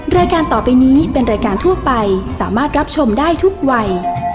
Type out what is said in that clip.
รายการต่อไปนี้เป็นรายการทั่วไปสามารถรับชมได้ทุกวัย